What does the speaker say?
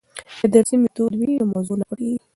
که درسي میتود وي نو موضوع نه پټیږي.